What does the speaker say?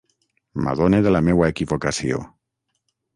M'adone de la meua equivocació.